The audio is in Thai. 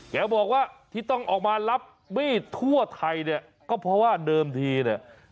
แกบอกว่าที่ต้องออกมารับมีดทั่วไทยเนี่ยก็เพราะว่าเดิมทีเนี่ย